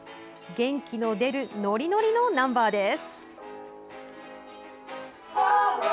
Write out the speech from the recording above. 元気の出るノリノリのナンバーです。